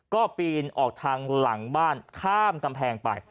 ก็ปีนออกทางหลังบ้านข้ามกำแพงไป